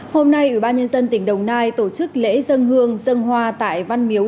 hôm nay ủy ban nhân dân tỉnh đồng nai tổ chức lễ dân hương dân hoa tại văn miếu